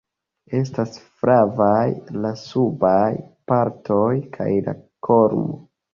Estas flavaj la subaj partoj kaj la kolumo.